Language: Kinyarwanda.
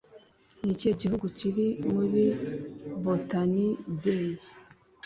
Ni ikihe gihugu kiri muri Botany Bay